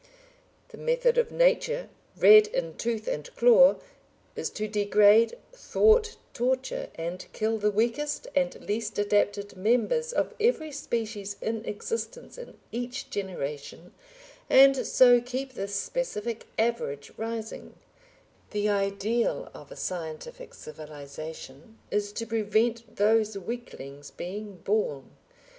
The method of Nature "red in tooth and claw" is to degrade, thwart, torture, and kill the weakest and least adapted members of every species in existence in each generation, and so keep the specific average rising; the ideal of a scientific civilisation is to prevent those weaklings being born.